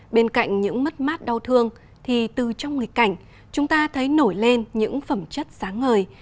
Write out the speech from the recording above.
bên cạnh những mất mát đau thương thì từ trong nghịch cảnh chúng ta thấy nổi lên những phẩm chất sáng ngời